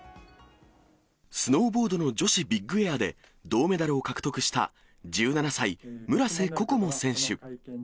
スノーボードの女子ビッグエアで銅メダルを獲得した１７歳、村瀬心椛選手。